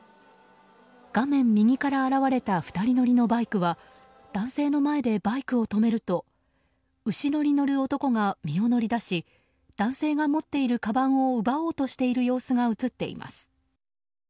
画面右から現れた２人乗りのバイクは男性の前でバイクを止めると後ろに乗る男が身を乗り出し男性が持っているかばんを奪おうとしている様子が映っています。